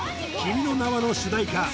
「君の名は。」の主題歌